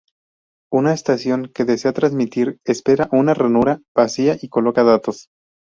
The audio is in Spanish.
Una estación que desea transmitir espera una ranura vacía y coloca datos.